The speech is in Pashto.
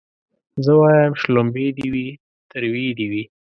زه وايم شلومبې دي وي تروې دي وي